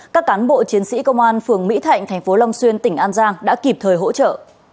các cán bộ chiến sĩ công an phường mỹ thạnh thành phố long xuyên tỉnh an giang đã kịp thời hỗ trợ